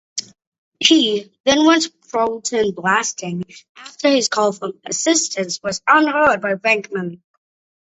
He then went proton blasting, after his call for assistance was unheard by Venkman.